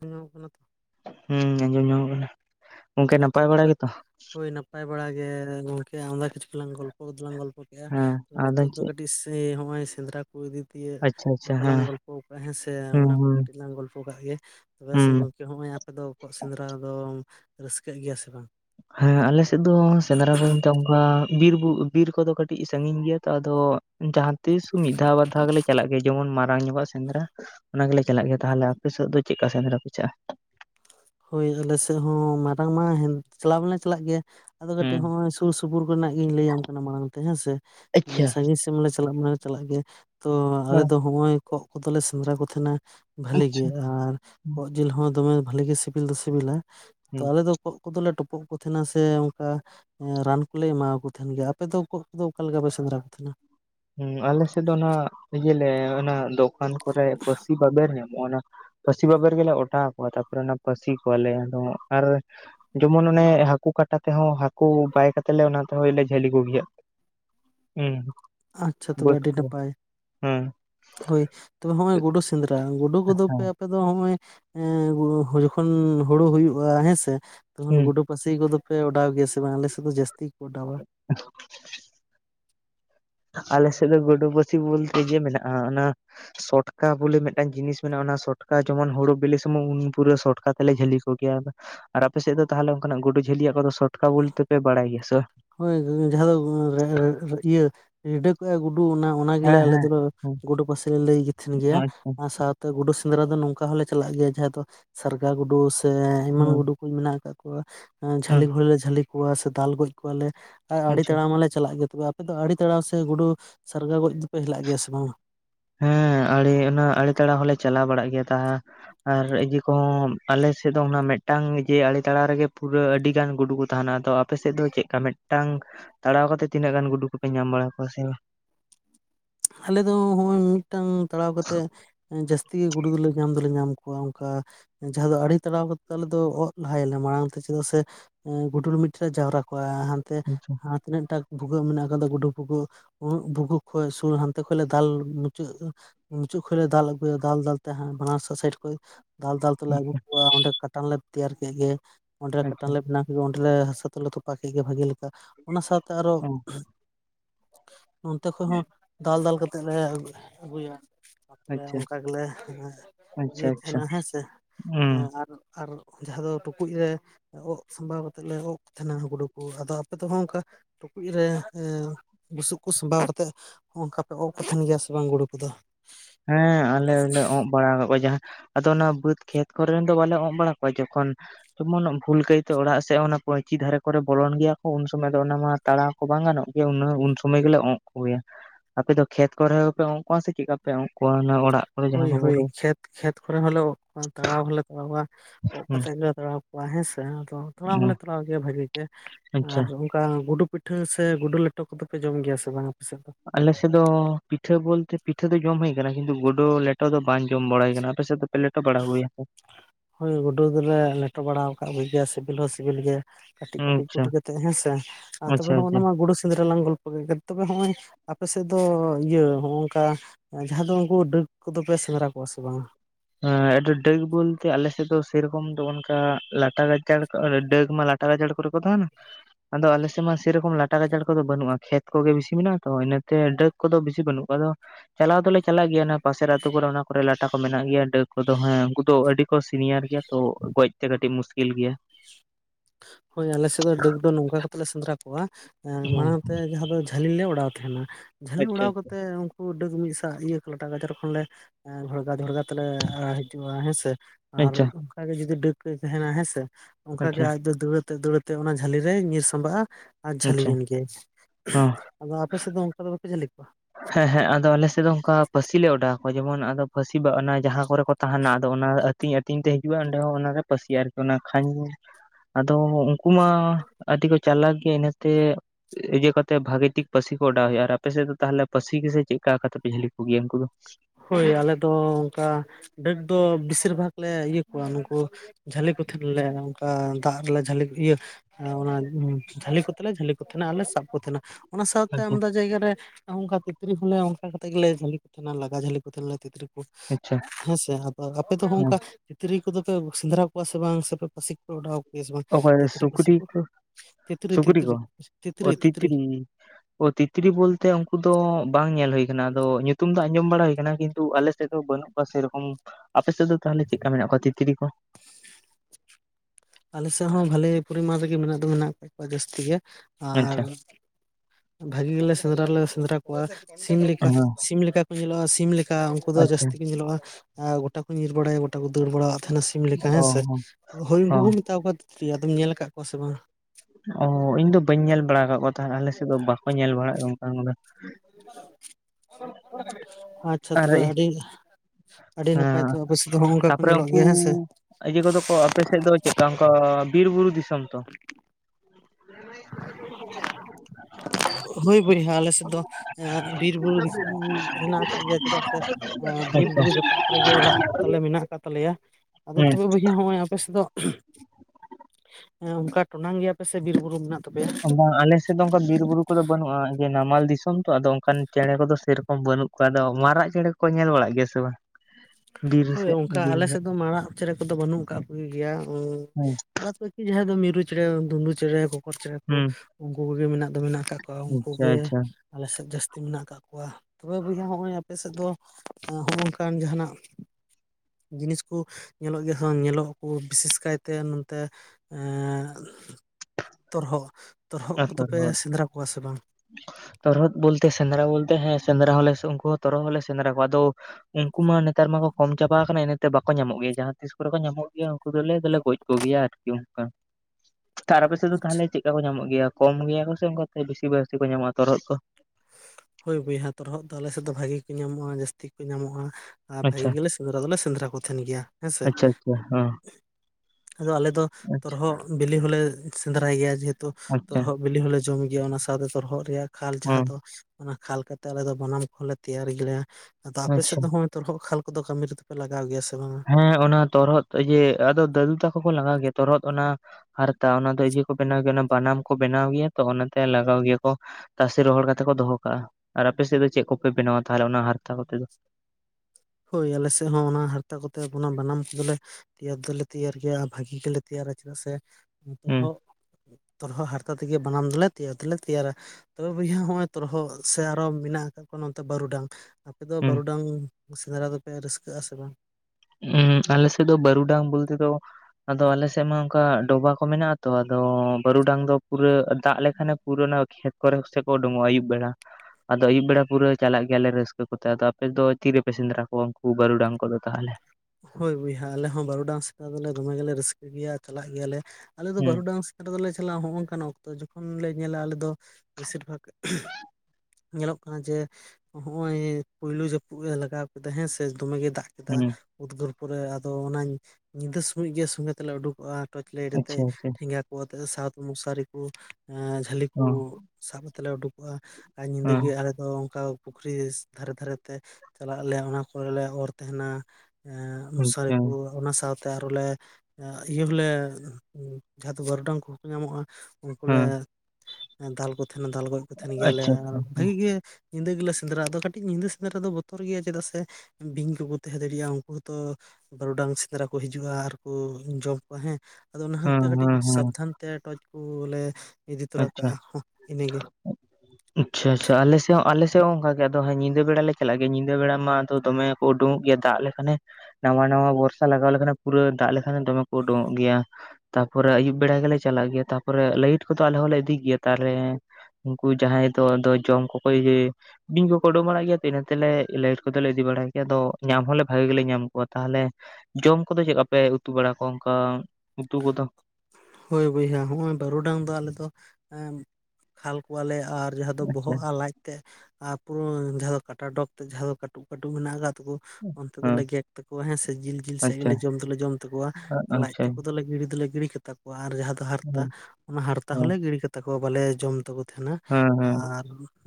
ᱟᱸᱡᱚᱢᱚᱜ ᱠᱟᱱᱟ ᱛᱚ ᱾ ᱦᱩᱸ ᱟᱸᱡᱚᱢ ᱧᱟᱢᱚᱜ ᱠᱟᱱᱟ᱾ ᱜᱚᱝᱠᱮ ᱱᱟᱯᱟᱭ ᱟᱪᱪᱷᱟ ᱵᱟᱲᱟ ᱛᱚᱵᱮ ᱜᱮᱛᱚ ᱦᱳᱭ ᱱᱟᱯᱟᱭ ᱵᱟᱲᱟ ᱜᱮ ᱜᱚᱝᱠᱮ ᱟᱢᱫᱟ ᱠᱤᱪᱷᱩ ᱜᱮ ᱞᱟᱝ ᱜᱚᱞ ᱯᱷᱚ ᱫᱚᱞᱟᱝ ᱜᱚᱞᱯᱷᱚ ᱠᱮᱜ-ᱟ ᱦᱮᱸ ᱟᱫᱚ ᱱᱤᱛᱚᱜ ᱫᱚ ᱪᱮᱫ ᱠᱟᱹᱴᱤᱡ ᱥᱮᱭ ᱦᱚᱜ-ᱚᱭ ᱥᱮᱸᱫᱽᱨᱟ [unintelligible] ᱟᱪᱪᱷᱟ ᱟᱪᱪᱷᱟ ᱛᱤᱭᱚᱜ ᱦᱮᱸ ᱵᱟᱞᱟᱝ ᱜᱚᱞᱯᱷᱚᱣ ᱠᱟᱜ-ᱟ ᱦᱮᱸᱥᱮ ᱦᱩᱸ ᱚᱱᱟ ᱠᱚ ᱦᱩᱸ ᱠᱟᱹᱴᱤᱡ ᱞᱟᱝ ᱜᱚᱞᱯᱷᱚ ᱠᱟᱜ ᱜᱮ ᱛᱚᱵᱮ ᱥᱮ ᱦᱩᱸ ᱜᱚᱝᱠᱮ ᱦᱚᱸᱜ-ᱚᱭ ᱟᱯᱮ ᱫᱚ ᱠᱚ ᱥᱮᱸᱫᱽᱨᱟ ᱫᱚᱢ ᱨᱟᱹᱥᱠᱟᱹᱜ ᱜᱮᱭᱟ ᱥᱮ ᱵᱟᱝ ᱦᱮᱸ ᱟᱞᱮᱥᱮᱫ ᱫᱚ ᱥᱮᱸᱫᱽᱨᱟ ᱠᱚ ᱢᱮᱛᱟᱜ ᱚᱱᱠᱟ ᱵᱤᱨ-ᱵᱩ ᱵᱤᱨ ᱠᱚᱫᱚ ᱠᱟᱹᱴᱤᱡ ᱥᱟᱺᱜᱤᱧ ᱜᱮᱭᱟ ᱛᱚ ᱟᱫᱚ ᱡᱟᱦᱟᱸᱛᱤᱥ ᱢᱤᱫ ᱫᱷᱟᱣ ᱵᱟᱨ ᱫᱷᱟᱣ ᱜᱮᱞᱮ ᱪᱟᱞᱟᱜ ᱜᱮᱭᱟ ᱡᱮᱢᱚᱱ ᱢᱟᱨᱟᱝ ᱧᱚᱜᱟᱜ ᱥᱮᱸᱫᱽᱨᱟ ᱚᱱᱟ ᱜᱮᱞᱮ ᱪᱟᱞᱟᱜ ᱜᱮᱭᱟ ᱛᱟᱦᱚᱞᱮ ᱟᱯᱮ ᱥᱮᱫ ᱫᱚ ᱪᱮᱫ ᱞᱮᱠᱟ ᱥᱮᱸᱫᱽᱨᱟ ᱯᱮ ᱪᱟᱜ-ᱟ? ᱦᱳᱭ ᱟᱞᱮ ᱥᱮᱫ ᱦᱚᱸ ᱢᱟᱨᱟᱝ ᱢᱟ ᱪᱟᱞᱟᱣ ᱦᱚᱸᱞᱮ ᱪᱟᱞᱟᱜ ᱜᱮᱭᱟ, ᱟᱫᱚ ᱠᱟᱹᱴᱤᱡ ᱦᱮᱸ ᱦᱚᱜ-ᱚᱭ ᱥᱩᱨ ᱥᱩᱯᱩᱨ ᱠᱚᱨᱮᱱᱟᱜ ᱜᱤᱧ ᱞᱟᱹᱭᱟᱢ ᱠᱟᱱᱟ ᱢᱟᱲᱟᱝ ᱛᱮ ᱦᱮᱸ ᱥᱮ, ᱟᱪᱪᱷᱟ ᱥᱟᱹᱜᱤᱧ ᱢᱞᱮ ᱪᱟᱞᱟᱜ ᱪᱟᱞᱟᱜ ᱜᱮ ᱛᱚ ᱟᱞᱮ ᱦᱮᱸ ᱫᱚ ᱦᱚᱜ-ᱚᱭ ᱠᱚᱸᱜ ᱠᱚᱫᱚᱞᱮ ᱥᱮᱸᱫᱽᱨᱟ ᱠᱚ ᱛᱟᱦᱮᱸᱱᱟ ᱵᱟᱹᱞᱮ ᱟᱪᱪᱷᱟ ᱜᱮ ᱟᱨ ᱠᱚᱸᱜ ᱡᱤᱞ ᱦᱚᱸ ᱫᱚᱢᱮ ᱵᱷᱟᱞᱮ ᱜᱮ ᱥᱤᱵᱤᱞ ᱫᱚ ᱥᱤᱵᱤᱞᱟ ᱛᱚ ᱦᱩᱸ ᱟᱞᱮ ᱫᱚ ᱠᱚᱸᱜ ᱠᱚᱫᱚᱞᱮ ᱴᱚᱯᱚᱜ ᱠᱚ ᱛᱟᱦᱮᱸᱱᱟ ᱥᱮ ᱚᱱᱠᱟ ᱨᱟᱱ ᱠᱚᱞᱮ ᱮᱢᱟ ᱠᱚ ᱛᱟᱦᱮᱸᱱ ᱜᱮᱭᱟ, ᱟᱯᱮ ᱫᱚ ᱠᱚᱸᱜ ᱠᱚᱫᱚ ᱚᱠᱟ ᱞᱮᱠᱟ ᱯᱮ ᱥᱮᱸᱫᱽᱨᱟ ᱠᱚ ᱛᱟᱦᱮᱸᱱᱟ? ᱦᱩᱸ ᱟᱞᱮᱥᱮᱫ ᱫᱚ ᱚᱱᱟ ᱤᱭᱟᱹᱞᱮ ᱚᱱᱟ ᱫᱚᱠᱟᱱ ᱠᱚᱨᱮ ᱯᱟᱥᱤ ᱵᱟᱵᱮᱨ ᱧᱟᱢᱚᱜ-ᱟ ᱚᱱᱟ ᱯᱟᱥᱤ ᱵᱟᱵᱮᱨ ᱜᱮᱞᱮ ᱚᱴᱟᱣ ᱛᱟᱯᱚᱨᱮ ᱚᱱᱟ ᱯᱟᱹᱥᱤ ᱠᱚᱣᱟᱞᱮ ᱟᱫᱚ ᱟᱨ ᱡᱮᱢᱚᱱ ᱚᱱᱮ ᱦᱟᱹᱠᱩ ᱠᱟᱴᱟ ᱛᱮᱦᱚᱸ ᱦᱟᱹᱠᱩ ᱵᱟᱭ ᱠᱟᱛᱮᱫ ᱞᱮ ᱚᱱᱟ ᱛᱮᱦᱚᱸᱞᱮ ᱡᱷᱟᱹᱞᱤ ᱠᱚᱜᱮᱭᱟ᱾ ᱦᱩᱸ ᱦᱩᱸ ᱾ ᱟᱪᱪᱷᱟ ᱛᱚᱵᱮ ᱟᱹᱰᱤ ᱱᱟᱯᱟᱭ᱾ ᱦᱮᱸ ᱦᱳᱭ ᱛᱚᱵᱮ ᱦᱚᱸᱜ-ᱚᱭ ᱜᱩᱰᱩ ᱥᱮᱸᱫᱽᱨᱟ ᱜᱩᱰᱩ ᱠᱚᱫᱚ ᱯᱮ ᱟᱯᱮ ᱫᱚ ᱦᱚᱜ-ᱚᱭ ᱮᱸ ᱡᱚᱠᱷᱚᱱ ᱦᱳᱲᱳ ᱦᱩᱭᱩᱜ-ᱟ ᱦᱮᱸᱥᱮ ᱛᱚᱠᱷᱚᱱ ᱦᱩᱸ ᱜᱩᱰᱩ ᱯᱟᱹᱥᱤ ᱠᱚᱫᱚᱯᱮ ᱚᱰᱟᱣ ᱜᱮᱭᱟ ᱥᱮ ᱵᱟᱝ? ᱟᱞᱮᱥᱮᱫ ᱫᱚ ᱡᱟᱹᱥᱛᱤ ᱠᱚ ᱚᱰᱟᱣᱟ᱾ ᱦ [unintelligible] ᱟᱞᱮ ᱥᱮᱫ ᱫᱚ ᱜᱩᱰᱩ ᱯᱟᱹᱥᱤ ᱵᱚᱞᱛᱮ ᱜᱮ ᱢᱮᱱᱟᱜ-ᱟ ᱚᱱᱟ ᱥᱚᱴᱠᱟ ᱵᱚᱞᱮ ᱢᱤᱫᱴᱟᱝ ᱡᱤᱱᱤᱥ ᱢᱮᱱᱟᱜ-ᱟ ᱚᱱᱟ ᱥᱚᱴᱠᱟ ᱡᱮᱢᱚᱱ ᱦᱩᱲᱩ ᱵᱤᱞᱮ ᱥᱩᱢᱚᱭ ᱩᱱ ᱯᱩᱨᱟᱹ ᱥᱚᱴᱠᱟ ᱛᱮᱞᱮ ᱡᱟᱹᱞᱤ ᱠᱚᱜᱮᱭᱟ ᱟᱨ ᱟᱯᱮ ᱥᱮᱫ ᱫᱚ ᱛᱟᱦᱚᱞᱮ ᱚᱱᱠᱟᱱᱟᱜ ᱜᱩᱰᱩ ᱡᱷᱟᱹᱞᱤᱭᱟᱜ ᱠᱚᱫᱚ ᱥᱚᱴᱠᱟ ᱵᱚᱞᱛᱮᱯᱮ ᱵᱟᱲᱟᱭ ᱜᱮᱭᱟ ᱥᱮ ᱵᱟᱝ? ᱦᱳᱭ ᱡᱟᱦᱟᱸ ᱫᱚ ᱤᱭᱟᱹ ᱨᱤᱰᱟᱹ ᱠᱟᱜ-ᱟ ᱜᱩᱰᱩ ᱚᱱᱟ ᱚᱱᱟ ᱜᱮᱞᱮ ᱦᱮᱸ ᱟᱞᱮ ᱦᱮᱸ ᱫᱚᱞᱮ ᱦᱩᱸ ᱜᱩᱰᱩ ᱯᱟᱥᱮ ᱞᱮ ᱞᱟᱹᱭ ᱜᱮ ᱛᱟᱦᱮᱱ ᱜᱮᱭᱟ ᱟᱪᱪᱷᱟ ᱟᱨ ᱥᱟᱶ ᱜᱩᱰᱩ ᱥᱮᱸᱫᱽᱨᱟ ᱫᱚ ᱱᱚᱝᱠᱟ ᱦᱚᱞᱮ ᱪᱟᱞᱟᱜ ᱜᱮᱭᱟ ᱡᱟᱦᱟᱸ ᱫᱚ ᱥᱟᱨᱜᱟ ᱜᱩᱰᱩ ᱥᱮ ᱮᱢᱟᱱ ᱦᱩᱸ ᱜᱩᱰᱩ ᱢᱮᱱᱟᱜ ᱟᱠᱟᱜ ᱠᱚᱣᱟ ᱦᱩᱸ ᱡᱷᱟᱹᱞᱤ ᱠᱚᱦᱚᱸᱞᱮ ᱡᱷᱟᱹᱞᱤ ᱠᱚᱣᱟ ᱥᱮ ᱫᱟᱞ ᱜᱚᱡ ᱠᱟᱣᱟᱞᱮ ᱟᱨ ᱟᱲᱮ ᱟᱪᱪᱷᱟ ᱛᱟᱲᱟᱣ ᱢᱟᱞᱮ ᱪᱟᱞᱟᱜ ᱜᱮᱭᱟ ᱛᱚᱵᱮ ᱟᱯᱮ ᱫᱚ ᱟᱲᱮ ᱛᱟᱲᱟᱣ ᱥᱮ ᱜᱩᱰᱩ ᱥᱟᱨᱜᱟ ᱜᱚᱡ ᱫᱚᱯᱮ ᱦᱮᱞᱟᱜ ᱜᱮᱭᱟ ᱥᱮ? ᱵᱟᱝᱟ ᱦᱮᱸ ᱟᱹᱲᱮ ᱚᱱᱟ ᱟᱹᱲᱮ ᱛᱟᱲᱟᱣ ᱦᱚᱸᱞᱮ ᱪᱟᱞᱟᱣ ᱵᱟᱲᱟᱜ ᱜᱮᱭᱟ ᱛᱟᱦᱮᱸ ᱟᱨ ᱤᱭᱟᱹ ᱠᱚᱦᱚᱸ ᱟᱞᱮ ᱥᱮᱫ ᱫᱚ ᱚᱱᱟ ᱢᱤᱫᱴᱟᱝ ᱡᱮ ᱟᱲᱮ ᱛᱟᱲᱟᱣ ᱨᱮᱜᱮ ᱯᱩᱨᱟᱹ ᱟᱹᱰᱤ ᱜᱟᱱ ᱜᱩᱰᱩ ᱠᱚ ᱛᱟᱦᱮᱱᱟ ᱟᱫᱚ ᱟᱯᱮ ᱟᱯᱮᱥᱮᱫ ᱫᱚ ᱪᱮᱫᱠᱟ ᱢᱤᱫᱴᱟᱝ ᱛᱟᱲᱟᱣ ᱠᱟᱛᱮ ᱛᱤᱱᱟᱹᱜ ᱜᱟᱱ ᱜᱩᱰᱩ ᱠᱚᱯᱮ ᱧᱟᱢ ᱵᱟᱲᱟ ᱠᱚᱣᱟ ᱥᱮ? ᱟᱞᱮ ᱫᱚ ᱦᱚᱸᱜ-ᱚᱭ ᱢᱤᱫᱴᱟᱝ ᱛᱟᱲᱟᱣ ᱠᱟᱛᱮᱜ ᱡᱟᱹᱥ ᱛᱤ ᱜᱮ ᱜᱩᱰᱩ ᱫᱚᱞᱮ ᱧᱟᱢ ᱫᱚᱞᱮ ᱧᱟᱢ ᱠᱚᱣᱟ, ᱚᱱᱠᱟ ᱡᱟᱦᱟᱸ ᱫᱚ ᱟᱹᱲᱮ ᱛᱟᱲᱟᱣ ᱠᱟᱛᱮ ᱟᱞᱮ ᱫᱚ ᱚᱸᱜᱽ ᱞᱟᱦᱟᱭᱟᱞᱮ ᱢᱟᱲᱟᱝ ᱛᱮ ᱪᱮᱫᱟᱜ ᱥᱮ ᱜᱩᱰᱩ ᱫᱚ ᱢᱤᱫᱴᱮᱱ ᱞᱮ ᱡᱟᱣᱨᱟ ᱠᱚᱭᱟ ᱦᱟᱱ ᱛᱮ ᱟᱪᱪᱷᱟ ᱡᱟᱦᱟᱸ ᱛᱤᱱᱟᱹᱜ ᱴᱟᱜ ᱵᱷᱩᱜᱟᱹᱜ ᱢᱮᱱᱟᱜ ᱟᱠᱟᱫᱟ ᱜᱩᱰᱩ ᱠᱚᱠᱚ ᱩᱱᱟᱹᱜ ᱵᱷᱩᱜᱟᱹᱜ ᱠᱷᱚᱡ ᱥᱩ ᱯᱩᱨᱟᱹ ᱦᱟᱱᱛᱮ ᱠᱷᱚᱡ ᱞᱮ ᱫᱟᱞ ᱢᱩᱪᱟᱹᱫᱟ᱾ ᱢᱩᱪᱟᱹᱫ ᱠᱷᱚᱡ ᱞᱮ ᱫᱟᱞ ᱟᱹᱜᱩᱭᱟ ᱫᱟᱞ ᱫᱟᱞ ᱛᱮ ᱦᱟᱸᱜ ᱵᱟᱱᱟᱨ ᱥᱮᱫ ᱥᱟᱭᱤᱰ ᱠᱷᱚᱡ ᱫᱟᱞ ᱫᱟᱞ ᱛᱮᱞᱮ ᱟᱹᱜᱩ ᱠᱚᱣᱟ ᱚᱸᱰᱮ ᱠᱟᱴᱟᱱ ᱞᱮ ᱛᱮᱭᱟᱨ ᱠᱮᱫ ᱜᱮ ᱚᱸᱰᱮ ᱠᱟᱴᱟᱱ ᱟᱪᱪᱷᱟ ᱞᱮ ᱵᱮᱱᱟᱣ ᱚᱸᱰᱮ ᱞᱮ ᱦᱟᱥᱟ ᱛᱮᱞᱮ ᱛᱚᱯᱟ ᱠᱮᱫ ᱜᱮ ᱵᱷᱟᱜᱤ ᱞᱮᱠᱟ ᱚᱱᱟ ᱥᱟᱶᱛᱮ ᱟᱨᱚ ᱚ ᱱᱚᱱᱛᱮ ᱠᱷᱚᱡ ᱦᱚᱸ ᱫᱟᱞ ᱫᱟᱞ ᱠᱟᱛᱮᱫ ᱞᱮ ᱟᱹᱜᱩ ᱟᱹᱜᱩᱭᱟ᱾ ᱛᱟᱯᱚᱨᱮ ᱟᱪᱪᱷᱟ ᱚᱱᱠᱟ ᱜᱮᱞᱮ ᱟᱪᱪᱷᱟ ᱤᱭᱟᱹᱭ ᱟᱪᱪᱷᱟ ᱛᱟᱦᱮᱱᱟ ᱦᱮᱸ ᱥᱮ ᱦᱩᱸ ᱟᱨ ᱟᱨ ᱡᱟᱦᱟᱸ ᱫᱚ ᱴᱩᱠᱩᱡ ᱨᱮ ᱚᱸᱜ ᱥᱟᱢᱵᱟᱣ ᱠᱟᱛᱮᱫ ᱞᱮ ᱚᱸᱜ ᱠᱚ ᱛᱟᱦᱮᱸᱱᱟ ᱜᱩᱰᱩ ᱠᱚ, ᱟᱫᱚ ᱟᱯᱮ ᱫᱚ ᱦᱚᱜ ᱚᱱᱠᱟ ᱴᱩᱠᱩᱡ ᱨᱮ ᱮᱸ ᱵᱩᱥᱩᱵ ᱠᱚ ᱥᱟᱵᱟᱣ ᱠᱟᱛᱮᱫ ᱚᱱᱠᱟ ᱯᱮ ᱚᱸᱜ ᱠᱚ ᱛᱟᱦᱮᱸᱱ ᱜᱮᱭᱟ ᱥᱮ ᱵᱟᱝ ᱜᱩᱰᱩ ᱠᱚ ᱫᱚ? ᱦᱮᱸ ᱟᱞᱮ ᱦᱚᱸ ᱞᱮ ᱚᱸᱜ ᱵᱟᱲᱟ ᱟᱠᱟᱫ ᱠᱚᱣᱟ ᱡᱟᱦᱟᱸ ᱟᱫᱚ ᱚᱱᱟ ᱵᱟᱹᱫᱽ ᱠᱷᱮᱛ ᱠᱚᱨᱮᱱ ᱫᱚ ᱵᱟᱞᱮ ᱚᱸᱜ ᱵᱟᱲᱟ ᱠᱚᱣᱟ ᱡᱚᱠᱷᱚᱱ ᱡᱮᱢᱚᱱ ᱵᱷᱩᱞ ᱠᱟᱹᱭᱛᱮ ᱚᱲᱟᱜ ᱥᱮᱫ ᱚᱱᱟ ᱯᱟᱹᱭᱪᱤ ᱫᱷᱟᱨᱮ ᱠᱚᱨᱮ ᱵᱚᱞᱚᱱ ᱜᱮᱭᱟ ᱠᱚ ᱩᱱ ᱥᱚᱢᱚᱭ ᱫᱚ ᱚᱱᱟ ᱢᱟ ᱛᱟᱲᱟᱣ ᱠᱚ ᱵᱟᱝ ᱜᱟᱱᱚᱜ ᱜᱮᱭᱟ ᱚᱱᱟ ᱩᱱ ᱥᱚᱢᱚᱭ ᱜᱮᱞᱮ ᱚᱸᱜ ᱠᱚ ᱜᱮᱭᱟ, ᱟᱯᱮ ᱫᱚ ᱠᱷᱮᱛ ᱠᱚᱨᱮ ᱦᱚᱸᱯᱮ ᱚᱸᱜ ᱠᱚᱣᱟ ᱥᱮ ᱪᱮᱫᱠᱟ ᱯᱮ ᱯᱮ ᱚᱸᱜ ᱠᱣᱭᱟ ᱚᱱᱟ ᱚᱲᱟᱜ ᱠᱚᱨᱮ ᱡᱟᱦᱟᱸ ᱦᱳᱭ ᱠᱚ ᱦᱳᱭ ᱵᱚᱞᱮ ᱠᱷᱮᱛ ᱠᱷᱮᱛ ᱠᱚᱨᱮ ᱦᱚᱸᱞᱮ ᱚᱸᱜ ᱠᱚᱣᱟ ᱛᱟᱲᱟᱣ ᱦᱚᱸᱞᱮ ᱛᱟᱲᱟᱣ ᱠᱚᱣᱟ᱾ ᱚᱸᱜ ᱦᱩᱸ ᱠᱟᱛᱮᱜ ᱜᱮ ᱞᱮ ᱛᱟᱲᱟᱣ ᱠᱚᱣᱟ ᱦᱮᱸᱥᱮ ᱟᱫᱚ ᱛᱟᱲᱟᱣ ᱚ ᱦᱚᱸᱞᱮ ᱛᱚᱲᱟᱣ ᱜᱮᱭᱟ ᱵᱷᱟᱹᱜᱤ ᱜᱮ ᱟᱨ ᱟᱪᱪᱷᱟ ᱚᱝᱠᱟ ᱚᱱᱠᱟ ᱜᱩᱰᱩ ᱯᱤᱴᱷᱟᱹ ᱥᱮ ᱜᱩᱰᱩ ᱞᱮᱴᱚ ᱠᱚᱫᱚᱯᱮ ᱡᱚᱢ ᱜᱮᱭᱟ ᱥᱮ ᱵᱟᱝ ᱟᱯᱮᱥᱮᱫ ᱫᱚ? ᱟᱞᱮᱥᱮᱫ ᱫᱚ ᱯᱤᱴᱷᱟᱹ ᱵᱚᱞᱛᱮ ᱯᱤᱴᱷᱟᱹ ᱟᱞᱮ ᱥᱮᱥ ᱫᱚ ᱡᱚᱢ ᱦᱳᱭ ᱠᱟᱱᱟ ᱠᱤᱱᱛᱩ ᱜᱚᱰᱳ ᱞᱮᱴᱚ ᱫᱚ ᱵᱟᱝ ᱡᱚᱢ ᱵᱟᱲᱟ ᱦᱳᱭ ᱠᱟᱱᱟ, ᱟᱯᱮ ᱥᱮᱫ ᱫᱚ ᱞᱮᱴᱚ ᱵᱟᱲᱟ ᱠᱚ ᱜᱮᱭᱟ ᱯᱮ? ᱦᱳᱭ ᱜᱩᱰᱩ ᱜᱮᱞᱮ ᱞᱮᱴᱚ ᱵᱟᱲᱟᱣ ᱟᱠᱟᱫ ᱠᱚ ᱜᱮᱭᱟ ᱥᱤᱵᱤᱞ ᱦᱚᱸ ᱥᱤᱵᱤᱞ ᱜᱮᱭᱟ᱾ ᱠᱟᱹᱴᱤᱡ ᱠᱟᱹᱴᱤᱡ ᱟᱪᱪᱷᱟ ᱠᱩᱴᱤ ᱠᱟᱛᱮᱫ ᱦᱮᱸᱥᱮ ᱟᱨ ᱛᱚᱵᱮ ᱟᱪᱪᱷᱟ ᱦᱚᱸᱜᱼᱚᱱᱟ ᱟᱪᱪᱷᱟ ᱢᱟ ᱜᱩᱰᱩ ᱥᱮᱸᱫᱽᱨᱟ ᱞᱟᱝ ᱜᱚᱞᱯᱚ ᱛᱚᱵᱮ ᱦᱚᱸᱜᱼᱚᱭ ᱟᱯᱮ ᱥᱮᱫ ᱫᱚ ᱤᱭᱟᱹ ᱦᱚᱸᱜᱼᱚᱝᱠᱟ ᱡᱟᱦᱟᱸ ᱫᱚ ᱩᱱᱠᱩ ᱰᱟᱹᱠ ᱠᱚᱫᱚ ᱯᱮ ᱥᱮᱸᱫᱽᱨᱟ ᱠᱚᱣᱟ ᱥᱮ ᱵᱟᱝᱟ? ᱦᱮᱸ ᱟᱫᱚ ᱰᱟᱹᱠ ᱵᱚᱞᱛᱮ ᱟᱞᱮᱥᱮᱫ ᱫᱚ ᱥᱮᱭᱨᱚᱠᱚᱢ ᱫᱚ ᱚᱱᱠᱟ ᱞᱟᱴᱟ ᱜᱟᱪᱟᱲ ᱠᱚ ᱰᱟᱹᱠ ᱢᱟ ᱞᱟᱴᱟ ᱜᱟᱡᱟᱲ ᱞᱟᱴᱟ ᱜᱟᱡᱟᱲ ᱠᱚᱨᱮ ᱠᱚ ᱛᱟᱦᱮᱱᱟ, ᱟᱫᱚ ᱟᱞᱮᱥᱮᱫ ᱢᱟ ᱥᱮᱨᱚᱠᱚᱢ ᱞᱟᱴᱟ ᱜᱟᱡᱟᱲ ᱠᱚᱫᱚ ᱵᱟᱹᱱᱩᱜᱼᱟ, ᱠᱷᱮᱛ ᱠᱚᱜᱮ ᱵᱤᱥᱤ ᱢᱮᱱᱟᱜᱼᱟ ᱛᱚ ᱤᱱᱟᱹᱛᱮ ᱰᱟᱹᱠ ᱠᱚᱫᱚ ᱵᱮᱥᱤ ᱵᱟᱹᱱᱩᱜ ᱠᱚᱣᱟ, ᱟᱫᱚ ᱪᱟᱞᱟᱣ ᱫᱚᱞᱮ ᱪᱟᱞᱟᱜ ᱜᱮᱭᱟ ᱚᱱᱟ ᱯᱟᱥᱮᱨ ᱟᱛᱩ ᱠᱚᱨᱮ ᱚᱱᱟ ᱠᱚᱨᱮ ᱞᱟᱴᱟ ᱠᱚ ᱢᱮᱱᱟᱜ ᱜᱮᱭᱟ᱾ ᱰᱟᱹᱠ ᱠᱚᱫᱚ ᱦᱮᱸ ᱩᱱᱠᱩ ᱫᱚ ᱟᱹᱰᱤ ᱠᱚ ᱥᱤᱱᱤᱭᱟᱨ ᱜᱮᱭᱟ ᱛᱚ ᱜᱚᱡ ᱛᱮ ᱠᱟᱹᱴᱤᱡ ᱢᱩᱥᱠᱤᱞ ᱜᱮᱭᱟ᱾ ᱦᱳᱭ ᱟᱞᱮ ᱥᱮᱫ ᱫᱚ ᱰᱟᱹᱠ ᱫᱚ ᱱᱚᱝᱠᱟ ᱠᱟᱛᱮ ᱞᱮ ᱥᱮᱸᱫᱽᱨᱟ ᱠᱚᱣᱟ, ᱦᱮᱸ ᱢᱟᱲᱟᱝ ᱛᱮ ᱡᱟᱦᱟᱸ ᱫᱚ ᱡᱷᱟᱹᱞᱤ ᱞᱮ ᱚᱰᱟᱣ ᱛᱟᱦᱮᱱᱟ, ᱡᱷᱟᱹᱞᱤ ᱟᱪᱪᱷᱟ ᱚᱰᱟᱣ ᱠᱟᱛᱮ ᱰᱟᱹᱠ ᱢᱤᱫ ᱥᱟᱜ ᱤᱭᱟᱹ ᱞᱟᱴᱟ ᱜᱟᱡᱟᱨ ᱠᱷᱚᱱ ᱞᱮ ᱜᱷᱚᱲᱜᱟ ᱜᱷᱚᱲᱜᱟ ᱛᱮᱞᱮ ᱦᱤᱡᱩᱜᱼᱟ ᱦᱮᱸ ᱥᱮ᱾ ᱟᱨ ᱟᱪᱪᱷᱟ ᱚᱱᱠᱟ ᱜᱮ ᱡᱩᱫᱤ ᱰᱟᱹᱠ ᱮ ᱛᱟᱦᱮᱱᱟ ᱦᱮᱸᱥᱮ ᱚᱱᱠᱟᱜᱮ ᱟᱪᱪᱷᱟ ᱟᱪᱪᱷᱟ ᱟᱡ ᱫᱚ ᱫᱟᱹᱲ ᱛᱮ ᱫᱟᱹᱲ ᱟᱛᱮ ᱚᱱᱟ ᱡᱷᱟᱹᱞᱤ ᱨᱮ ᱧᱤᱨ ᱥᱟᱢᱵᱟᱜᱼᱟ ᱟᱨ ᱟᱪᱪᱷᱟ ᱡᱷᱟᱹᱞᱤᱭᱮᱱ ᱜᱮ᱾ ᱦᱚᱸ ᱟᱫᱚ ᱟᱯᱮᱥᱮᱫ ᱫᱚ ᱚᱱᱠᱟ ᱫᱚ ᱵᱟᱯᱮ ᱡᱷᱟᱹᱞᱤᱭᱮᱫ ᱠᱚᱣᱟ? ᱦᱮᱸ ᱦᱮᱸ ᱟᱫᱚ ᱟᱞᱮᱥᱮᱫ ᱫᱚ ᱚᱱᱠᱟ ᱯᱟᱹᱥᱤ ᱞᱮ ᱚᱰᱟᱣ ᱟᱠᱚᱣᱟ ᱡᱮᱢᱚᱱ ᱟᱫᱚ ᱯᱟᱹᱥᱤ ᱵᱟ ᱚᱱᱟ ᱡᱟᱦᱟᱸ ᱠᱚᱨᱮ ᱠᱚ ᱛᱟᱦᱮᱱᱟ ᱟᱫᱚ ᱚᱱᱟᱨᱮ ᱟᱹᱛᱤᱧ ᱟᱹᱛᱤᱧ ᱛᱮ ᱦᱤᱡᱩᱜᱼᱟ ᱚᱸᱰᱮ ᱦᱚᱸ ᱚᱱᱟᱨᱮ ᱯᱟᱹᱥᱤᱜᱼᱟᱭ ᱟᱨᱠᱤ ᱚᱱᱟ ᱠᱷᱟᱧ ᱟᱫᱚ ᱠᱩᱢᱟ ᱟᱰᱤ ᱠᱚ ᱪᱟᱞᱟᱜ ᱜᱮᱭᱟ ᱤᱱᱟᱹᱛᱮ ᱤᱭᱟᱹ ᱠᱟᱛᱮ ᱵᱷᱟᱜᱤ ᱴᱷᱤᱠ ᱯᱟᱹᱥᱤ ᱠᱚ ᱚᱰᱟᱣ ᱦᱩᱭᱩᱜᱼᱟ ᱟᱨ ᱟᱯᱮ ᱥᱮᱫ ᱫᱚ? ᱛᱟᱦᱚᱞᱮ ᱯᱟᱹᱥᱤ ᱜᱮᱥᱮ ᱪᱮᱫ ᱞᱮᱠᱟ ᱠᱟᱛᱮᱯᱮ ᱡᱟᱹᱞᱤ ᱠᱚᱜᱮᱭᱟ ᱩᱱᱠᱩ ᱫᱚ᱾ ᱦᱳᱭ ᱟᱞᱮ ᱫᱚ ᱚᱱᱠᱟ ᱰᱟᱹᱠ ᱫᱚ ᱵᱮᱥᱤᱨ ᱵᱷᱟᱜᱽ ᱞᱮ ᱤᱭᱟᱹ ᱠᱚᱣᱟ ᱱᱩᱠᱩ ᱡᱷᱟᱹᱞᱤ ᱠᱚᱣᱟ᱾ ᱯᱩᱛᱷᱤᱞᱮ ᱚᱱᱠᱟ ᱫᱟᱜ ᱨᱮᱞᱮ ᱡᱷᱟᱹᱞᱤ ᱠᱚᱜᱮᱭᱟᱹ ᱚᱱᱟ ᱡᱷᱟᱹᱞᱤ ᱠᱚᱛᱮ ᱞᱮ ᱡᱷᱟᱹᱞᱤ ᱠᱚ ᱛᱟᱦᱮᱱᱟ ᱟᱨᱞᱮ ᱥᱟᱵ ᱠᱚ ᱛᱟᱦᱮᱱᱟ ᱚᱱᱟ ᱥᱟᱶᱛᱮ ᱟᱪᱪᱷᱟ ᱟᱢᱫᱟ ᱡᱟᱭᱜᱟ ᱨᱮ ᱚᱱᱠᱟ ᱛᱤᱛᱨᱤ ᱦᱚᱸᱞᱮ ᱚᱱᱠᱟ ᱠᱟᱛᱮᱜ ᱜᱮᱞᱮ ᱡᱷᱟᱟᱹᱞᱤ ᱠᱚ ᱛᱟᱸᱦᱮᱱᱟ ᱾ ᱡᱷᱟᱹᱞᱤ ᱠᱚ ᱛᱟᱦᱮ ᱞᱮᱭᱟ ᱛᱤᱫᱽᱨᱟᱹ ᱠᱚ ᱟᱪᱪᱷᱟ ᱦᱮᱸ ᱥᱮ ᱟᱫᱚ ᱟᱯᱮ ᱫᱚ ᱦᱮᱸ ᱚᱱᱠᱟ᱾ ᱛᱤᱛᱨᱤ ᱠᱚᱫᱚ ᱯᱮ ᱥᱮᱸᱫᱽᱨᱟ ᱠᱚᱣᱟ ᱥᱮ ᱵᱟᱝ ᱥᱮ ᱯᱟᱹᱥᱤ ᱠᱚᱯᱮ ᱚᱰᱟᱣᱚᱮᱭᱟ ᱥᱮ ᱵᱟᱝ ᱚᱠᱚᱭ ᱛᱤᱛᱨᱤ ᱯᱟᱹᱥᱤ ᱥᱩᱠᱨᱤ ᱠᱚ? ᱛᱤᱛᱨᱤ ᱥᱩᱠᱨᱤ ᱛᱤᱛᱨᱤ ᱠᱚ ᱛᱤᱛᱨᱤ ᱛᱤᱛᱨᱤ᱾ ᱚ ᱛᱤᱛᱨᱤ ᱵᱚᱞᱛᱮ ᱩᱱᱠᱩ ᱫᱚ ᱵᱟᱝ ᱧᱮᱞ ᱦᱩᱭ ᱟᱠᱟᱱᱟ ᱟᱫᱚ ᱧᱩᱛᱩᱢ ᱫᱚ ᱟᱸᱡᱚᱢ ᱵᱟᱲᱟ ᱦᱩᱭ ᱟᱠᱟᱱᱟ ᱠᱤᱱᱛᱩ ᱟᱞᱮᱥᱮᱫ ᱫᱚ ᱵᱟᱹᱱᱩᱜ ᱠᱚᱣᱟ ᱥᱮᱨᱚᱠᱚᱢ ᱟᱯᱮ ᱥᱮᱫ ᱫᱚ ᱛᱟᱦᱚᱞᱮ ᱪᱮᱫ ᱞᱮᱠᱟ ᱢᱮᱱᱟᱜ ᱠᱚᱣᱟ ᱛᱤᱛᱨᱤ ᱠᱚ᱾ ᱟᱞᱮ ᱥᱮᱫ ᱦᱚᱸ ᱵᱷᱟᱞᱮ ᱯᱚᱨᱤᱢᱟᱱ ᱨᱮᱜᱮ ᱢᱮᱱᱟᱜ ᱫᱚ ᱢᱮᱱᱟᱜ ᱠᱟᱜ ᱠᱚᱣᱟ ᱡᱟᱹᱥᱛᱤ ᱜᱮ ᱟᱨ ᱟᱪᱪᱷᱟ ᱵᱷᱟᱜᱤ ᱜᱮᱞᱮ ᱥᱮᱸᱫᱽᱨᱟ ᱞᱮ ᱥᱮᱸᱫᱽᱨᱟ ᱠᱚᱣᱟ ᱥᱤᱢ ᱞᱮᱠᱟ ᱦᱮᱸ ᱥᱤᱢ ᱞᱮᱠᱟ ᱠᱚ ᱧᱮᱞᱚᱜᱼᱟ ᱥᱤᱢ ᱞᱮᱠᱟ᱾ ᱮᱸ ᱩᱱᱠᱩ ᱫᱚ ᱟᱪᱪᱷᱟ ᱡᱟᱹᱥᱛᱤ ᱠᱚ ᱧᱮᱞᱚᱜᱼᱟ ᱜᱚᱴᱟ ᱠᱚ ᱧᱤᱨ ᱵᱟᱲᱟᱭᱟ ᱜᱚᱴᱟ ᱠᱚ ᱫᱟᱹᱲ ᱵᱟᱲᱟᱭᱟ᱾ ᱛᱟᱦᱮᱱᱟ ᱥᱤᱢ ᱞᱮᱠᱟ ᱚ ᱦᱮᱸᱥᱮ ᱦᱚᱸ ᱦᱳᱭ ᱩᱱᱠᱩ ᱠᱚ ᱦᱚᱸ ᱢᱮᱛᱟᱣᱟ ᱠᱚᱣᱟ ᱛᱤᱛᱨᱤ ᱟᱫᱚᱢ ᱧᱮᱞ ᱟᱠᱟᱫ ᱠᱚᱣᱟ ᱥᱮ ᱵᱟᱝ? ᱚ ᱤᱧ ᱫᱚ ᱵᱟᱹᱧ ᱧᱮᱞ ᱵᱟᱲᱟ ᱟᱠᱟᱫ ᱠᱚ ᱛᱟᱦᱮᱸᱫ ᱟᱞᱮ ᱥᱮᱫ ᱫᱚ ᱵᱟᱠᱚ ᱧᱮᱞ ᱵᱟᱲᱟ ᱟᱪᱪᱷᱟ ᱛᱚᱵᱮ [inaudible] ᱟᱹᱰᱤ ᱟᱹᱰᱤ ᱱᱟᱯᱟᱭ ᱛᱚ ᱟᱯᱮ ᱥᱮᱫ ᱫᱚ ᱦᱚᱸᱜ ᱦᱮᱸ ᱚᱝᱠᱟ ᱠᱚ ᱛᱟᱯᱚᱨᱮ ᱧᱮᱞᱚᱜ ᱩᱱᱠᱩ ᱜᱮᱭᱟ ᱦᱮᱸ ᱥᱮ ᱤᱭᱟᱹ ᱠᱚᱫᱚ ᱠᱚ ᱟᱯᱮᱥᱮᱫ ᱫᱚ ᱪᱮᱫᱠᱟ ᱚᱱᱠᱟ ᱵᱤᱨ ᱵᱩᱨᱩ ᱫᱤᱥᱚᱢ ᱛᱚ? ᱦᱳᱭ ᱵᱚᱭᱦᱟ ᱟᱞᱮᱥᱮᱫ ᱫᱚ ᱮᱸ ᱵᱤᱨ ᱵᱩᱨᱩ ᱫᱤᱥᱟᱹᱢ ᱨᱮᱱᱟᱜ ᱠᱟᱜ ᱜᱮᱭᱟ ᱪᱮᱫᱟᱜ ᱥᱮ [unintelligible] ᱚᱲᱟᱜ ᱠᱚᱨᱮᱜᱮ ᱚᱲᱟᱜ ᱠᱚ ᱛᱟᱞᱮ ᱢᱮᱱᱟᱜ ᱟᱠᱟᱫ ᱛᱟᱞᱮᱭᱟ ᱟᱫᱚ ᱦᱮᱸ ᱛᱚᱵᱮ ᱵᱚᱭᱟ ᱦᱚᱸᱜ ᱚᱭ ᱟᱯᱮᱥᱮᱫ ᱫᱚ ᱦᱮᱸ ᱚᱝᱠᱟ ᱴᱚᱰᱟᱝ ᱜᱮᱭᱟᱯᱮ ᱥᱮ ᱵᱤᱨ ᱵᱩᱨᱩ ᱢᱮᱱᱟᱜ ᱛᱟᱯᱮᱭᱟ? ᱟ ᱵᱟᱝ ᱟᱞᱮᱥᱮᱫ ᱫᱚ ᱚᱝᱠᱟ ᱵᱤᱨ ᱵᱩᱨᱩ ᱠᱚᱫᱚ ᱵᱟᱹᱱᱩᱜᱼᱟ ᱡᱮ ᱱᱟᱢᱟᱞ ᱫᱤᱥᱚᱢ ᱛᱚ ᱟᱫᱚ ᱚᱱᱠᱟᱱ ᱪᱮᱬᱮ ᱠᱚᱫᱚ ᱥᱮᱨᱚᱠᱚᱢ ᱵᱟᱹᱱᱩᱜ ᱚᱠᱟ ᱫᱚ ᱢᱟᱨᱟᱜ ᱪᱮᱬᱮ ᱠᱚᱠᱚ ᱧᱮᱞ ᱵᱟᱲᱟᱜ ᱜᱮᱭᱟ ᱥᱮ ᱵᱟ? ᱦᱳᱭ ᱚᱝᱠᱟ ᱟᱞᱮ ᱥᱮᱫ ᱫᱚ ᱢᱟᱨᱟᱜ ᱪᱮᱬᱮ ᱠᱚᱫᱚ ᱵᱟᱹᱱᱩᱜ ᱠᱟᱫ ᱠᱚᱜᱮ ᱜᱮᱭᱟ ᱩᱸ ᱵᱟᱫ ᱵᱟᱹᱠ ᱠᱤ ᱡᱟᱦᱟᱸᱭ ᱫᱚ ᱢᱤᱨᱩ ᱪᱮᱬᱮ ᱫᱩᱱᱫᱩ ᱪᱮᱬᱮ ᱠᱩ ᱠᱷᱚᱨ ᱪᱮᱬᱮ ᱠᱩ ᱦᱩᱸ ᱩᱱᱠᱩ ᱠᱩᱜᱮ ᱢᱮᱱᱟᱜ ᱫᱚ ᱢᱮᱱᱟᱜ ᱠᱟᱜ ᱠᱚᱣᱟ ᱩᱱᱠᱩ ᱟᱪᱪᱷᱟ ᱜᱮ ᱟᱪᱪᱷᱟ ᱟᱞᱮᱥᱮᱫ ᱡᱟᱹᱥᱛᱤ ᱢᱮᱱᱟᱜ ᱠᱟᱜ ᱠᱚᱣᱟ ᱛᱚᱵᱮ ᱵᱚᱭᱦᱟ ᱦᱚᱸᱜ ᱚᱭ ᱟᱯᱮᱥᱮᱫ ᱫᱚ ᱦᱚ ᱚᱝᱠᱟᱱ ᱡᱟᱦᱟᱸᱱᱟᱜ ᱡᱤᱱᱤᱥ ᱠᱩ ᱧᱮᱞᱚᱜ ᱜᱮᱭᱟ ᱥᱮ ᱵᱟᱝ ᱧᱮᱞᱚᱜ ᱟᱹᱠᱩ ᱵᱤᱥᱮᱥ ᱠᱟᱭᱛᱮ ᱱᱚᱱᱛᱮ ᱮᱸᱜ ᱛᱚᱨᱦᱚᱫ ᱛᱚᱨᱦᱚᱫ ᱟᱨ ᱠᱚᱫᱚᱯᱮ ᱛᱚᱨᱦᱚᱫ ᱥᱮᱸᱫᱽᱨᱟ ᱠᱚᱣᱟ ᱥᱮ ᱵᱟᱝ? ᱛᱚᱨᱦᱚᱫ ᱵᱳᱞᱛᱮ ᱥᱮᱸᱫᱽᱨᱟ ᱵᱳᱞᱛᱮ ᱦᱮᱸ ᱥᱮᱸᱫᱽᱨᱟ ᱦᱚᱞᱮ ᱩᱱᱠᱩ ᱦᱚᱸ ᱛᱚᱨᱦᱚᱫ ᱦᱚᱞᱮ ᱥᱮᱸᱫᱽᱨᱟ ᱠᱚᱣᱟ ᱟᱫᱚ ᱩᱱᱠᱩ ᱢᱟ ᱱᱮᱛᱟᱨ ᱢᱟᱠᱚ ᱠᱚᱢ ᱪᱟᱵᱟᱣ ᱠᱟᱱᱟ ᱤᱱᱟᱹᱛᱮ ᱵᱟᱠᱚ ᱧᱟᱢᱚᱜ ᱜᱮᱭᱟ ᱡᱟᱦᱟᱸ ᱛᱤᱥ ᱠᱚᱨᱮ ᱠᱚ ᱧᱟᱢᱚᱜ ᱜᱮᱭᱟ ᱩᱱᱠᱩ ᱫᱚᱞᱮ ᱫᱚᱞᱮ ᱜᱚᱡ ᱠᱚᱜᱮᱭᱟ ᱟᱨ ᱡᱚᱢᱠᱟ, ᱛᱟᱨ ᱟᱯᱮ ᱥᱮᱫ ᱫᱚ ᱟᱪᱪᱷᱟ ᱛᱟᱦᱚᱞᱮ ᱪᱮᱫᱠᱟ ᱠᱚ ᱧᱟᱢᱚᱜ ᱜᱮᱭᱟ ᱠᱚᱢ ᱜᱮᱭᱟ ᱠᱚ ᱥᱮ ᱚᱱᱠᱟᱛᱮ ᱵᱮᱥᱤ ᱵᱟᱭᱥᱤ ᱠᱚ ᱧᱟᱢᱚᱜᱼᱟ ᱛᱚᱨᱦᱚᱫ ᱠᱚ? ᱦᱳᱭ ᱵᱩᱭᱦᱟ ᱛᱚᱨᱦᱚᱫ ᱫᱚ ᱟᱞᱮᱥᱮᱫ ᱫᱚ ᱵᱷᱟᱜᱤ ᱠᱚ ᱧᱟᱢᱚᱜᱼᱟ ᱡᱟᱹᱥᱛᱤ ᱠᱩ ᱧᱟᱢᱚᱜᱼᱟ ᱟᱨ ᱵᱷᱟᱹᱜᱤ ᱟᱪᱪᱷᱟ ᱜᱤᱞᱮᱥ ᱥᱮᱸᱫᱽᱨᱟ ᱫᱚᱞᱮ ᱥᱮᱸᱫᱽᱨᱟ ᱠᱚ ᱛᱷᱮᱱ ᱜᱤᱭᱟ᱾ ᱟᱪᱪᱷᱟ ᱟᱪᱪᱷᱟ ᱦᱟᱸ ᱟᱫᱚ ᱟᱞᱮ ᱫᱚ ᱛᱚᱨᱦᱚᱫ ᱵᱤᱞᱤ ᱦᱚᱸᱞᱮ ᱥᱮᱸᱫᱽᱨᱟᱭ ᱜᱮᱭᱟ ᱡᱮᱦᱮᱛᱩ ᱟᱪᱪᱷᱟ ᱛᱚᱨᱦᱚᱫ ᱵᱤᱞᱤ ᱦᱚᱸᱞᱮ ᱡᱚᱢ ᱜᱮᱭᱟ ᱚᱱᱟ ᱥᱟᱶᱛᱮ ᱛᱚᱨᱦᱚᱫ ᱨᱮᱭᱟᱜ ᱠᱷᱟᱞ ᱡᱟᱦᱟᱸ ᱦᱚᱸ ᱫᱚ ᱚᱱᱟ ᱠᱷᱟᱞ ᱠᱟᱛᱮᱜ ᱟᱞᱮ ᱫᱚ ᱵᱟᱱᱟᱢ ᱠᱚᱦᱚᱸᱞᱮ ᱛᱮᱭᱟᱨ ᱜᱮᱞᱮᱭᱟ ᱟᱫᱚ ᱟᱯᱮ ᱥᱮᱫ ᱟᱪᱪᱷᱟ ᱦᱚᱸ ᱛᱚᱨᱦᱚᱜ ᱠᱷᱟᱞ ᱠᱚᱫᱚ ᱠᱟᱹᱢᱤ ᱨᱮᱫᱚᱯᱮ ᱞᱟᱜᱟᱣ ᱜᱮᱭᱟ ᱥᱮ ᱵᱟᱝᱼᱟ? ᱦᱮᱸ ᱚᱱᱟ ᱛᱚᱨᱦᱚᱫ ᱤᱭᱟᱹ ᱟᱫᱚ ᱫᱟᱹᱫᱩ ᱛᱟᱠᱚ ᱠᱚ ᱞᱟᱜᱟᱣ ᱜᱮᱭᱟ ᱛᱚᱨᱦᱚᱫ ᱚᱱᱟ ᱦᱟᱨ ᱛᱟ ᱚᱱᱟ ᱫᱚ ᱤᱡᱟᱹ ᱠᱚ ᱵᱮᱱᱟᱣ ᱜᱮᱭᱟ ᱚᱱᱟ ᱵᱟᱱᱟᱢ ᱠᱚ ᱵᱮᱱᱟᱣ ᱜᱮᱭᱟ ᱛᱚ ᱚᱱᱟᱛᱮ ᱞᱟᱜᱟᱣ ᱜᱮᱭᱟ ᱠᱚ᱾ ᱛᱟᱥᱮ ᱨᱚᱦᱚᱲ ᱠᱟᱛᱮ ᱠᱚ ᱫᱚᱦᱚ ᱠᱟᱜᱼᱟ ᱟᱨ ᱟᱯᱮ ᱥᱮᱫ ᱫᱚ ᱪᱮᱫ ᱠᱚᱯᱮ ᱵᱮᱱᱟᱣᱟ ᱛᱷᱟᱞᱮ ᱚᱱᱟ ᱦᱟᱨᱛᱟ ᱠᱚᱛᱮ ᱫᱚ? ᱦᱳᱭ ᱟᱞᱮ ᱥᱮᱫ ᱦᱚᱸ ᱚᱱᱟ ᱦᱟᱨᱛᱟ ᱠᱚᱛᱮ ᱚᱱᱟ ᱵᱟᱱᱟᱢᱵ ᱫᱚᱞᱮ ᱛᱮᱭᱟᱨ ᱫᱚᱞᱮ ᱛᱮᱭᱟᱨ ᱜᱮᱭᱟ ᱟᱨ ᱵᱷᱟᱹᱜᱤ ᱜᱮᱞᱮ ᱛᱮᱭᱟᱨᱟ ᱪᱮᱫᱟᱜ ᱥᱮ ᱱᱮᱛᱟᱨ ᱦᱩᱸ ᱦᱚᱸ ᱛᱚᱨᱦᱚᱫ ᱦᱟᱨᱛᱟ ᱛᱮᱜᱮ ᱵᱟᱱᱟᱢ ᱫᱚᱞᱮ ᱛᱮᱭᱟᱨ ᱫᱚᱞᱮ ᱛᱮᱭᱟᱨᱟ᱾ ᱛᱚᱵᱮ ᱵᱚᱭᱦᱟ ᱦᱚᱸᱜᱼᱚᱭ ᱛᱚᱨᱚᱦᱚᱫ ᱥᱮ ᱟᱨᱚ ᱢᱮᱱᱟᱜ ᱟᱠᱟᱫ ᱠᱚᱣᱟ ᱱᱚᱛᱮ ᱵᱟᱹᱨᱩᱰᱟᱝ ᱟᱯᱮ ᱫᱚ ᱦᱩᱸ ᱵᱟᱹᱨᱩᱰᱟᱝ ᱥᱮᱸᱫᱽᱨᱟ ᱫᱚᱯᱮ ᱨᱟᱹᱥᱠᱟᱹᱜᱼᱟ ᱥᱮ ᱵᱟᱝ? ᱩᱸ ᱦᱩᱸᱜ ᱟᱞᱮ ᱥᱮ ᱫᱚ ᱵᱟᱹᱨᱩᱰᱟᱝ ᱵᱳᱞᱛᱮ ᱫᱚ ᱟᱫᱚ ᱟᱞᱮᱥᱮᱫ ᱢᱟ ᱚᱝᱠᱟ ᱰᱚᱵᱟ ᱠᱚ ᱢᱮᱱᱟᱜᱼᱟ ᱛᱚ ᱟᱫᱚ ᱵᱟᱹᱨᱩᱰᱟᱝ ᱫᱚ ᱯᱩᱨᱟᱹ ᱫᱟᱜ ᱞᱮᱠᱷᱟᱱᱮ ᱯᱩᱨᱟᱹᱱᱟ ᱠᱷᱮᱛ ᱠᱚᱨᱮ ᱠᱷᱚᱥᱮ ᱠᱚ ᱩᱰᱩᱝ ᱚᱜᱼᱟ ᱟᱹᱭᱩᱵ ᱵᱮᱲᱟ ᱟᱫᱚ ᱟᱹᱭᱩᱵ ᱵᱮᱲᱟ ᱯᱩᱨᱟᱹ ᱪᱟᱞᱟᱜ ᱜᱮᱭᱟᱞᱮ ᱨᱟᱹᱥᱠᱟᱹ ᱠᱚᱛᱮ ᱟᱫᱚ ᱟᱯᱮ ᱫᱚ ᱛᱤᱨᱮᱯᱮ ᱥᱮᱸᱫᱽᱨᱟ ᱠᱚᱣᱟ ᱩᱝᱠᱩ ᱵᱟᱹᱨᱩᱰᱟᱝ ᱠᱚᱫᱚ ᱛᱟᱦᱚᱞᱮ? ᱦᱳᱭ ᱵᱩᱭᱦᱟ ᱟᱞᱮ ᱦᱚᱸ ᱵᱟᱹᱨᱩᱰᱟᱝ ᱥᱤᱸᱫᱽᱨᱟ ᱫᱚᱞᱮ ᱫᱚᱢᱮ ᱜᱮᱞᱮ ᱨᱟᱹᱥᱠᱟᱹᱜ ᱜᱮᱭᱟ ᱪᱟᱞᱟᱜ ᱜᱮᱭᱟᱞᱮ ᱟᱞᱮ ᱫᱚ ᱦᱩᱸ ᱵᱟᱹᱨᱩᱰᱟᱝᱥ ᱥᱮᱸᱫᱽᱨᱟ ᱫᱚᱞᱮ ᱪᱟᱞᱟᱜ ᱦᱚᱸᱜ ᱚᱝᱠᱟᱱ ᱚᱠᱛᱚ ᱡᱚᱠᱷᱚᱱ ᱞᱮ ᱧᱮᱞᱟ ᱟᱞᱮ ᱫᱚ ᱵᱮᱥᱤᱨ ᱵᱷᱟᱜᱽ ᱧᱮᱞᱚᱜ ᱠᱟᱱᱟ ᱡᱮ ᱦᱚᱸᱜ ᱚᱭ ᱯᱩᱭᱞᱩ ᱡᱟᱹᱯᱩᱫ ᱮ ᱞᱟᱜᱟᱣ ᱠᱮᱫᱟ ᱦᱮᱸ ᱥᱮ ᱫᱚᱢᱮ ᱜᱮ ᱫᱟᱜ ᱠᱮᱫᱟ ᱦᱩᱸ ᱩᱫᱽᱜᱟᱹᱨ ᱯᱚᱨᱮ ᱟᱫᱚ ᱚᱱᱟ ᱧᱤᱫᱟᱹ ᱥᱩᱸᱡ ᱜᱮ ᱥᱚᱸᱜᱮ ᱛᱮᱞᱮ ᱩᱰᱩᱠᱚᱜᱼᱟ᱾ ᱴᱚᱪ ᱞᱟᱭᱤᱴ ᱟᱪᱪᱷᱟ ᱟᱛᱮᱜ ᱟᱪᱪᱷᱟ ᱴᱷᱮᱸᱜᱟ ᱠᱚ ᱟᱛᱮᱜ ᱥᱟᱸᱛ ᱢᱩᱥᱟᱨᱤ ᱠᱩ ᱮ ᱡᱷᱟᱹᱞᱤ ᱠᱩ ᱦᱚᱸ ᱥᱟᱵ ᱠᱟᱛᱮᱫ ᱞᱮ ᱩᱰᱩᱠᱚᱼᱟ ᱟᱨ ᱧᱤᱫᱟᱹ ᱜᱤ ᱟᱞᱮᱫ ᱫᱚ ᱚᱝᱠᱟ ᱯᱩᱠᱷᱨᱤᱥ ᱫᱷᱟᱨᱮ ᱫᱷᱟᱨᱮᱛᱮ ᱪᱟᱞᱟᱜ ᱟᱞᱮ ᱚᱱᱟ ᱠᱚᱨᱮᱞᱮ ᱚᱨ ᱛᱮᱦᱮᱸᱱᱟ ᱮᱸᱜ ᱦᱚᱸ ᱢᱩᱥᱟᱨᱤ ᱟᱪᱪᱷᱟ ᱠᱩ ᱚᱱᱟ ᱥᱟᱶᱛᱮ ᱟᱨᱚᱞᱮ ᱤᱭᱟᱹ ᱦᱚᱸᱞᱮ ᱡᱟᱦᱟᱸ ᱫᱚ ᱵᱟᱹᱨᱩᱰᱟᱝ ᱠᱚᱦᱚᱸ ᱠᱚ ᱧᱟᱢᱚᱜᱼᱟ᱾ ᱩᱱᱠᱩ ᱞᱮ ᱦᱮᱸ ᱫᱟᱞ ᱠᱚ ᱛᱟᱦᱮᱱᱟ ᱫᱟᱞ ᱜᱚᱡ ᱠᱚ ᱛᱟᱦᱮᱱ ᱜᱮᱭᱟᱞᱮ ᱟᱪᱪᱷᱟ ᱟᱨ ᱟᱪᱪᱷᱟ ᱵᱷᱟᱹᱜᱤ ᱜᱮ ᱧᱤᱫᱟᱹ ᱜᱮᱞᱮ ᱥᱮᱸᱫᱽᱨᱟ ᱟᱫᱚ ᱠᱟᱹᱴᱤᱡ ᱧᱤᱫᱟᱹ ᱥᱮᱸᱫᱽᱨᱟ ᱫᱚ ᱵᱚᱛᱚᱨ ᱜᱮᱭᱟ ᱪᱮᱫᱟᱜ ᱥᱮ ᱵᱤᱧ ᱠᱚᱠᱚ ᱛᱟᱦᱮᱸ ᱫᱟᱲᱮᱭᱟᱜᱼᱟ᱾ ᱩᱱᱠᱩ ᱛᱚ ᱵᱟᱨᱩᱰᱟᱝ ᱥᱮᱸᱫᱽᱨᱟ ᱠᱚ ᱦᱤᱡᱩᱜᱼᱟ ᱟᱨ ᱠᱚ ᱡᱚᱢ ᱦᱮᱸ ᱟᱫᱚ ᱚᱱᱟ ᱠᱷᱟᱹᱛᱤᱨ ᱦᱮᱸ ᱛᱮ ᱠᱟᱹᱴᱤᱡ ᱦᱮᱸ ᱦᱮᱸ ᱥᱟᱵᱫᱷᱟᱱ ᱛᱮ ᱴᱚᱨᱪ ᱠᱚᱞᱮ ᱤᱫᱤ ᱛᱚᱨᱟ ᱟᱪᱪᱷᱟ ᱠᱟᱜᱼᱟ ᱦᱚᱸ ᱤᱱᱟᱹᱜᱮ᱾ ᱟᱪᱪᱷᱟ ᱟᱪᱪᱷᱟ ᱟᱞᱮ ᱥᱮᱫ ᱦᱚᱸ ᱟᱞᱮ ᱥᱮᱫ ᱦᱚᱸ ᱚᱱᱠᱟ ᱜᱮ ᱟᱫᱚ ᱦᱟ ᱧᱤᱫᱟᱹ ᱵᱮᱲᱟ ᱞᱮ ᱪᱟᱞᱟᱜ ᱜᱮᱭᱟ ᱧᱤᱫᱟᱹ ᱵᱮᱲᱟ ᱢᱟᱫᱚ ᱫᱚᱢᱮ ᱩᱰᱩᱝᱚᱜ ᱜᱮᱭᱟ ᱫᱟᱜ ᱞᱮᱠᱷᱟᱱᱮ᱾ ᱱᱟᱶᱟ ᱱᱟᱣᱟ ᱵᱚᱨᱥᱟ ᱞᱟᱜᱟᱣ ᱞᱮᱠᱷᱟᱱ ᱯᱩᱨᱟᱹ ᱫᱟᱜ ᱞᱮᱠᱷᱟᱱ ᱫᱚᱢᱮ ᱠᱚ ᱩᱩᱝᱚᱜ ᱜᱮᱭᱟ᱾ ᱛᱟᱨᱯᱚᱨᱮ ᱟᱹᱭᱩᱵ ᱵᱮᱲᱟ ᱜᱮᱞᱮ ᱪᱟᱞᱟᱜ ᱜᱮᱭᱟ, ᱛᱟᱨᱯᱚᱨᱮ ᱞᱟᱭᱤᱴ ᱠᱚᱫᱚ ᱟᱞᱮ ᱦᱚᱸᱞᱮ ᱤᱫᱤ ᱜᱮᱭᱟ ᱛᱟᱦᱚᱞᱮ ᱩᱱᱠᱩ ᱡᱟᱦᱟᱸᱭ ᱫᱚ ᱟᱫᱚ ᱡᱚᱢ ᱠᱚᱠᱚ ᱤᱭᱟᱹ ᱵᱤᱧ ᱠᱚᱠᱚ ᱩᱰᱩᱠ ᱵᱟᱲᱟᱜ ᱜᱮᱭᱟ ᱤᱱᱟᱹ ᱛᱮᱞᱮ ᱞᱟᱹᱭᱤᱴ ᱠᱚᱫᱞᱮ ᱤᱫᱤ ᱵᱟᱲᱟᱭ ᱜᱮᱭᱟ ᱟᱫᱚ ᱧᱟᱢ ᱦᱚᱸᱞᱮ ᱵᱷᱟᱜᱤ ᱜᱮᱞᱮ ᱧᱟᱢ ᱠᱚᱣᱟ ᱛᱟᱦᱚᱞᱮ ᱡᱚᱢ ᱠᱚᱫᱚ ᱪᱮᱫᱠᱟ ᱯᱮ ᱩᱛᱩ ᱵᱟᱲᱟ ᱠᱚᱣᱟ ᱚᱱᱠᱟ ᱩᱛᱩ ᱠᱚᱫᱚ? ᱦᱳᱭ ᱵᱚᱭᱦᱟ ᱦᱚᱸᱜ-ᱚᱭ ᱵᱟᱹᱨᱩᱰᱟᱝ ᱫᱚ ᱟᱞᱮᱫ ᱫᱚ ᱠᱷᱟᱞ ᱠᱚᱣᱟᱞᱮ ᱟᱨ ᱡᱟᱦᱟᱸ ᱟᱪᱪᱷᱟ ᱵᱚᱦᱚᱜ-ᱟ ᱞᱟᱡ ᱛᱮ ᱟᱨ ᱯᱩᱨᱟᱹ ᱠᱟᱴᱟ ᱰᱚᱜ ᱛᱮ ᱡᱟᱦᱟᱸ ᱫᱚ ᱠᱟᱹᱴᱩᱵ ᱠᱟᱹᱴᱩ ᱠᱟᱜ ᱚᱱᱛᱮ ᱫᱚᱞᱮ ᱦᱮᱸ ᱜᱮᱫ ᱛᱟᱠᱚᱣᱟ ᱦᱮᱸ ᱥᱮ ᱡᱤᱞ ᱡᱤᱞ ᱥᱮᱫ ᱟᱪᱪᱷᱟ ᱜᱮ ᱡᱚᱢ ᱫᱚᱞᱮ ᱡᱚᱢ ᱛᱟᱠᱚᱣᱟ ᱞᱟᱡ ᱟᱪᱪᱷᱟ ᱛᱮ ᱫᱚᱞᱮ ᱜᱤᱛᱟ ᱠᱚᱣᱟ ᱟᱨ ᱡᱟᱦᱟᱸ ᱫᱚ ᱦᱟᱨᱛᱟ ᱦᱮᱸ ᱦᱟᱨᱛᱟᱞ ᱦᱚᱞᱮ ᱜᱤᱰᱤ ᱠᱟᱛ ᱛᱟᱠᱚ ᱵᱟᱞᱮ ᱡᱚᱢ ᱛᱟᱠᱚ ᱛᱟᱦᱮᱱᱟ᱾ ᱦᱮᱸ ᱦᱮᱸ᱾ ᱟᱨ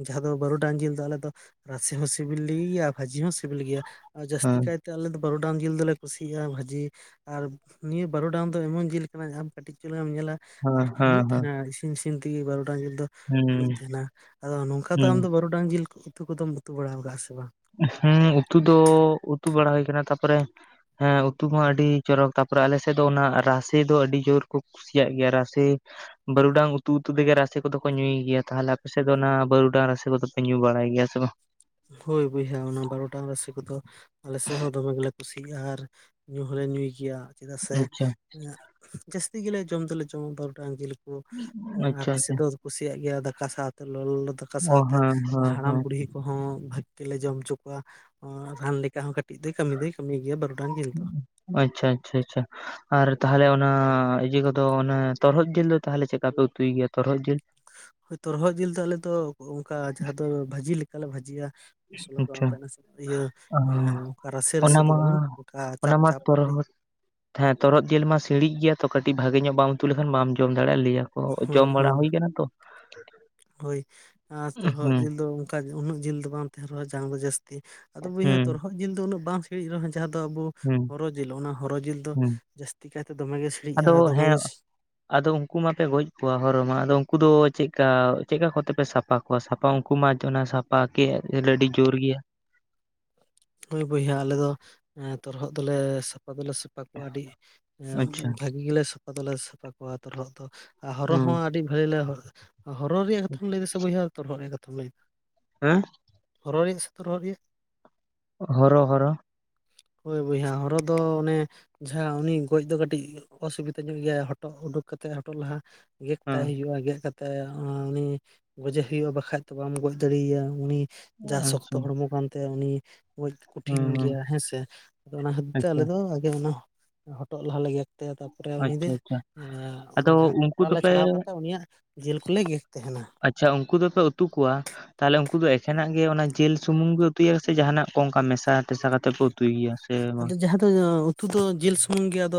ᱡᱟᱦᱟᱸ ᱫᱚ ᱵᱟᱹᱨᱩᱰᱟᱝ ᱡᱤᱞ ᱫᱚ ᱟᱞᱮ ᱫᱚ ᱨᱟᱥᱮ ᱦᱚᱸ ᱥᱤᱵᱤᱞ ᱜᱮᱭᱟ ᱵᱷᱟᱹᱡᱤ ᱦᱚᱸ ᱥᱤᱵᱤᱞ ᱜᱮᱭᱟ᱾ ᱟᱨ ᱡᱟᱹᱥᱛᱤ ᱦᱮᱸ ᱠᱟᱭᱛᱮ ᱟᱞᱮ ᱫᱚ ᱵᱟᱨᱩᱰᱟᱝ ᱡᱤᱞ ᱫᱚᱞᱮ ᱠᱩᱥᱤᱭᱟᱜᱼᱟ ᱵᱷᱟᱹᱡᱤ ᱟᱨ ᱱᱤᱭᱟᱹ ᱵᱟᱨᱚᱰᱟᱝ ᱫᱚ ᱮᱢᱚᱱ ᱡᱤᱞ ᱠᱟᱱᱟ ᱟᱢ ᱠᱟᱹᱴᱤᱡ ᱪᱩᱞᱢ ᱧᱮᱞᱟ ᱟᱨ ᱦᱮᱸ ᱯᱷᱩᱞᱩᱜ ᱦᱮᱸ ᱛᱟᱦᱮᱱᱟ ᱤᱥᱤᱱ ᱤᱥᱤᱱ ᱛᱮᱜᱮ ᱵᱟᱨᱩᱰᱟᱝ ᱡᱤᱞ ᱫᱚ ᱦᱮᱸ ᱦᱩᱸ ᱟᱞᱚᱜ ᱛᱟᱦᱮᱱᱟ ᱟᱫᱚ ᱱᱚᱝᱠᱟ ᱫᱚ ᱦᱩᱸ ᱟᱢ ᱫᱚ ᱵᱟᱹᱨᱩᱰᱟᱝ ᱡᱤᱞ ᱩᱛᱩ ᱠᱚᱫᱚᱢ ᱩᱛᱩ ᱵᱟᱲᱟ ᱟᱠᱟᱜᱼᱟ ᱥᱮ ᱵᱟᱝ? ᱦᱮᱸ ᱩᱛᱩ ᱫᱚ ᱩᱛᱩ ᱵᱟᱲᱟ ᱦᱩᱭ ᱠᱟᱱᱟ ᱛᱟᱯᱚᱨᱮ ᱦᱮᱸ ᱩᱛᱩ ᱠᱚ ᱟᱹᱰᱤ ᱪᱚᱨᱚᱠ ᱛᱟᱯᱚᱨᱮ ᱟᱞᱮᱥᱮᱫ ᱫᱚ ᱚᱱᱟ ᱨᱟᱥᱮ ᱫᱚ ᱟᱹᱰᱤ ᱡᱳᱨ ᱠᱚ ᱠᱩᱥᱭᱟᱜ ᱜᱮᱭᱟ ᱨᱟᱥᱮ ᱵᱟᱹᱨᱩᱰᱟᱝ ᱩᱛᱩ ᱩᱛᱩ ᱛᱮᱜᱮ ᱨᱟᱥᱮ ᱠᱚᱫᱚ ᱠᱚ ᱧᱩᱭ ᱜᱮᱭᱟ ᱛᱟᱦᱚᱞᱮ ᱟᱯᱮ ᱥᱮᱫ ᱫᱚ ᱚᱱᱟ ᱵᱟᱹᱨᱩᱰᱟᱝ ᱨᱟᱥᱮ ᱠᱚᱫᱚᱯᱮ ᱧᱩ ᱵᱟᱲᱟᱭ ᱜᱮᱭᱟ ᱥᱮ ᱵᱟᱝ? ᱦᱳᱭ ᱵᱚᱭᱦᱟ ᱚᱱᱟ ᱵᱟᱨᱩᱰᱟᱝ ᱨᱟᱥᱤ ᱠᱚᱫᱚ ᱟᱞᱮ ᱥᱮᱫ ᱦᱚᱸ ᱫᱚᱢᱮᱞᱮ ᱠᱩᱥᱤᱭᱟᱜ-ᱟ ᱟᱨ ᱧᱩ ᱦᱚᱸᱞᱮ ᱧᱩᱭ ᱜᱮᱭᱟ᱾ ᱪᱮᱫᱟᱜ ᱥᱮ ᱟᱪᱪᱷᱟ ᱡᱟᱹᱥᱛᱤ ᱜᱮᱞᱮ ᱡᱚᱢ ᱫᱚᱞᱮ ᱡᱚᱢᱟ ᱵᱟᱨᱩᱰᱟᱝ ᱡᱤᱞ᱾ ᱟᱨ ᱟᱪᱪᱷᱟ ᱨᱟᱥᱮ ᱟᱪᱪᱷᱟ ᱫᱚ ᱠᱩᱥᱤᱭᱟᱜ ᱜᱮᱭᱟ ᱫᱟᱠᱟ ᱥᱟᱶᱛᱮ ᱞᱚ ᱞᱚ ᱫᱚ ᱾ ᱚᱠᱟ ᱚ ᱥᱟᱶᱛᱮ ᱦᱮᱸ ᱦᱮᱸ ᱦᱟᱲᱟᱢ ᱦᱮᱸ ᱵᱩᱲᱦᱤ ᱠᱚᱦᱚᱸ ᱵᱷᱟᱹᱜᱤ ᱞᱮ ᱡᱚᱢ ᱦᱚᱪᱚ ᱠᱚᱣᱟ ᱨᱟᱱ ᱞᱮᱠᱟ ᱦᱚᱸ ᱠᱟᱹᱴᱤᱡ ᱫᱚ ᱠᱟᱹᱢᱤ ᱫᱚ ᱠᱟᱹᱢᱤ ᱜᱮᱭᱟ ᱵᱚᱨᱰᱟᱝᱜ ᱡᱤᱞ ᱫᱚ᱾ ᱟᱪᱪᱷᱟ ᱟᱪᱪᱷᱟ ᱟᱪᱪᱷᱟ ᱟᱨ ᱛᱟᱦᱚᱞᱮ ᱚᱱᱟ ᱤᱭᱟᱹ ᱠᱚᱫᱚ ᱚᱱᱟ ᱛᱚᱨᱦᱚᱫ ᱡᱤᱞ ᱫᱚ ᱛᱟᱦᱚᱞᱮ ᱪᱮᱫᱠᱟ ᱯᱮ ᱛᱩᱭ ᱜᱮᱭᱟ ᱛᱚᱨᱦᱚᱜ ᱡᱤᱞ᱾ ᱦᱳᱭ ᱛᱚᱨᱦᱚᱜ ᱡᱤᱞ ᱫᱚ ᱟᱞᱮ ᱫᱚ ᱚᱠ ᱚᱱᱝᱠᱟ ᱡᱟᱦᱟᱸ ᱫᱚ ᱵᱷᱟᱹᱡᱤ ᱞᱮᱠᱟ ᱞᱮ ᱵᱷᱟᱹᱡᱤ ᱭᱟ᱾ ᱢᱚᱥᱚᱞᱟ ᱫᱟᱣ ᱟᱪᱪᱷᱟ ᱟᱛᱮᱜ ᱱᱮ ᱤᱭᱟᱹ ᱚ, ᱮᱸ ᱚᱝᱠᱟ ᱨᱟᱥᱮ ᱨᱟᱥᱮ ᱚᱱᱟ ᱫᱚ ᱢᱟ ᱵᱟᱝ ᱚᱱᱠᱟ ᱪᱟᱯ ᱪᱟᱯ ᱠᱟᱹᱴᱤᱡ᱾ ᱛᱷᱮᱸ ᱛᱚᱨᱦᱚᱜ ᱡᱤᱞ ᱢᱟ ᱥᱤᱲᱤᱡ ᱜᱮᱭᱟ ᱛᱚ ᱠᱟᱹᱴᱤᱡ ᱵᱷᱟᱜᱮ ᱧᱚᱜ ᱵᱟᱢ ᱩᱛᱩ ᱞᱮᱠᱷᱟᱱ ᱵᱟᱢ ᱡᱚᱢ ᱫᱟᱲᱮᱭᱟᱜ-ᱟ ᱞᱟᱹᱭᱟ᱾ ᱠᱚ ᱦᱳᱭ ᱡᱚᱢ ᱵᱟᱲᱟ ᱦᱳᱭ ᱦᱩᱭ ᱠᱟᱱᱟ ᱛᱚ᱾ ᱦᱳᱭ᱾ ᱟᱸᱻ ᱛᱚᱨᱦᱚᱜ ᱦᱩᱸ ᱡᱤᱞ ᱫᱚ ᱚᱱᱠᱟ ᱩᱱᱟᱹᱜ ᱡᱤᱞ ᱫᱚ ᱵᱟᱝ ᱛᱟᱦᱮᱸᱱ ᱨᱮᱦᱚᱸ ᱡᱟᱝ ᱫᱚ ᱡᱟᱹᱥᱛᱤ ᱟᱫᱚ ᱵᱚᱭᱦᱟ ᱦᱩᱸ ᱛᱚᱨᱦᱚᱜ ᱡᱤᱞ ᱫᱚ ᱩᱱᱟᱹᱜ ᱵᱟᱝ ᱥᱤᱲᱤᱡ ᱨᱮᱦᱚᱸ ᱡᱟᱦᱟᱸ ᱫᱚ ᱟᱵᱩ᱾ ᱦᱩᱸ ᱦᱚᱨᱚ ᱡᱤᱞ ᱚᱱᱟ ᱦᱚᱨᱚ ᱡᱤᱞ ᱫᱚ ᱦᱩᱸ ᱡᱟᱹᱥᱛᱤ ᱠᱟᱭ ᱛᱮ ᱫᱚᱢᱮ ᱜᱮ ᱥᱤᱬᱤᱡᱼᱟ ᱟᱫᱚ ᱫᱚᱢᱮ ᱦᱮᱸ ᱜᱤᱥ ᱟᱫᱚ ᱩᱱᱠᱩ ᱢᱟᱯᱮ ᱜᱚᱡ ᱠᱚᱣᱟ ᱦᱚᱨᱚ ᱢᱟ ᱟᱫᱚ ᱩᱱᱠᱩ ᱫᱚ ᱪᱮᱜ ᱠᱟ ᱪᱮᱜ ᱠᱟ ᱠᱚᱛᱮ ᱯᱮ ᱥᱟᱯ ᱯᱟ ᱠᱚᱣᱟ ᱥᱟᱯᱟ ᱩᱱᱠᱩ ᱢᱟ ᱪᱮ‌ ᱚᱱᱟ ᱥᱟᱯᱟ ᱠᱮᱜ ᱮ ᱟᱹᱰᱤ ᱡᱳᱨ ᱜᱮᱭᱟ᱾ ᱦᱳᱭ ᱵᱚᱭᱦᱟ ᱟᱞᱮ ᱫᱚ ᱮᱸ ᱛᱚᱨᱦᱚᱜ ᱫᱚᱞᱮ ᱥᱟᱯᱟ ᱫᱚᱞᱮ ᱥᱟᱯᱟ ᱠᱚᱣᱟ ᱟᱹᱰᱤ ᱮᱸ ᱟᱪᱪᱷᱟ ᱵᱷᱟᱹᱜᱤ ᱜᱮᱞᱮ ᱥᱟᱯᱟ ᱫᱚᱞᱮ ᱥᱟᱯᱟ ᱠᱚᱣᱟ ᱛᱚᱨᱦᱚᱜ ᱫᱚ ᱟ‌ ᱦᱚᱨᱚ ᱦᱚᱸ ᱦᱩᱸ ᱟᱹᱰᱤ ᱵᱷᱟᱹᱜᱤ ᱞᱮ ᱚ ᱦᱚᱨᱚ ᱨᱮᱭᱟᱜ ᱠᱟᱛᱷᱟᱢ ᱞᱟᱹᱭ ᱫᱟ ᱥᱮ ᱵᱚᱭᱦᱟ ᱛᱚᱨᱦᱚᱜ ᱨᱮᱭᱟᱜ ᱠᱟᱛᱷᱟᱢ‌ ᱞᱟᱹᱭ ᱦᱮᱸ? ᱦᱚᱨᱚ ᱨᱮᱭᱟᱜ ᱥᱮ ᱛᱚᱨᱦᱚᱜ ᱨᱮᱭᱟᱜ? ᱦᱚᱨᱚ ᱦᱚᱨᱚ᱾ ᱦᱳᱭ ᱵᱚᱭᱦᱟ ᱦᱚᱨᱚ ᱫᱚ ᱚᱱᱮ ᱡᱟᱦᱟᱸ ᱩᱱᱤ ᱜᱚᱡ ᱫᱚ ᱠᱟᱹᱴᱤᱡ ᱚᱥᱩᱵᱤᱛᱟ ᱧᱚᱜ ᱜᱮᱭᱟᱭ ᱦᱚᱴᱚᱜ ᱩᱰᱩᱠ ᱠᱟᱛᱮᱜ ᱦᱚᱴᱚᱜ ᱞᱟᱦᱟ ᱜᱮᱫ ᱛᱟᱭ ᱦᱮᱸ ᱦᱩᱭᱩᱜ-ᱟ, ᱜᱮᱜ ᱠᱟᱛᱮᱜ ᱟᱸ ᱩᱱᱤ ᱜᱚᱡᱮ ᱦᱩᱭᱩᱜ-ᱟ ᱵᱟᱠᱷᱟᱡ ᱛᱚ ᱵᱟᱢ ᱜᱚᱡ ᱫᱟᱹᱲᱤᱭ ᱭᱟ ᱩᱱᱤ ᱡᱟ ᱥᱚᱠᱛᱚ ᱟᱪᱪᱷᱟ ᱦᱚᱲᱢᱚ ᱠᱟᱱ ᱛᱟᱭᱟ ᱩᱱᱤ ᱜᱚᱡ ᱦᱩᱸ ᱠᱩᱴᱷᱤᱱ ᱦᱩᱸ ᱜᱮᱭᱟ ᱦᱮᱸ ᱥᱮ᱾ ᱟᱫᱚ ᱚᱱᱟ ᱠᱷᱟᱹᱛᱤᱨ ᱛᱮ ᱟᱪᱪᱷᱟ ᱟᱞᱮ ᱫᱚ ᱟᱜᱮ ᱚᱱᱟ ᱦᱚᱴ ᱦᱚᱴᱚᱜ ᱞᱟᱦᱟ ᱞᱮ ᱜᱮᱫ ᱛᱟᱭᱟ ᱛᱟᱯᱚᱨᱮ ᱩᱱᱤ ᱫᱚ ᱟᱪᱪᱷᱟ ᱟᱪᱪᱷᱟ ᱮᱸ ᱚᱱᱟ ᱟᱫᱚ ᱡᱟᱦᱟᱸ ᱩᱱᱠᱩ ᱠᱷᱟᱯᱨᱟ ᱞᱮ ᱫᱚᱯᱮ ᱪᱷᱟᱲᱟᱣ ᱠᱟᱛᱮᱜ ᱩᱱᱤ ᱭᱟᱜ ᱡᱤᱞ ᱠᱚᱞᱮ ᱜᱮᱠ ᱛᱮᱸᱦᱮᱱᱟ᱾ ᱟᱪᱪᱷᱟ ᱩᱱᱠᱩ ᱫᱚᱯᱮ ᱩᱛᱩ ᱠᱚᱣᱟ᱾ ᱛᱟᱦᱚᱞᱮ ᱩᱱᱠᱩ ᱫᱚ ᱮᱠᱷᱮᱱᱟᱜ ᱜᱮ ᱚᱱᱟ ᱡᱮᱞ ᱥᱩᱢᱩᱝ ᱜᱮ ᱩᱛᱩᱭᱟ ᱥᱮ ᱡᱟᱦᱟᱸ ᱱᱟᱜ ᱠᱚ ᱚᱱᱠᱟ ᱢᱮᱥᱟ ᱴᱮᱥᱟ ᱠᱟᱛᱮᱜ ᱠᱚ ᱩᱛᱩᱭ ᱜᱮᱭᱟ? ᱥᱮ ᱵᱟᱝ ᱟᱫᱚ ᱡᱟᱦᱟᱸ ᱫᱚ ᱚᱸ ᱩᱛᱩ ᱫᱚ ᱡᱤᱞ ᱥᱩᱢᱩᱝ ᱜᱮ ᱟᱫᱚ